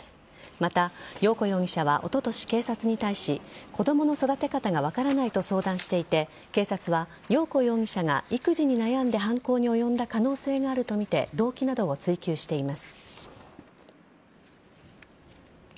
また、陽子容疑者はおととし、警察に対し子供の育て方が分からないと相談していて警察は陽子容疑者が育児に悩んで犯行に及んだ可能性があるとみて動機などを追及しています。